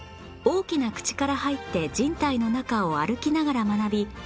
大きな口から入って人体の中を歩きながら学び